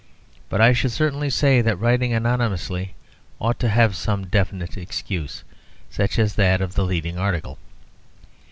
But I should certainly say that writing anonymously ought to have some definite excuse, such as that of the leading article.